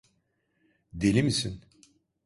Deli misin?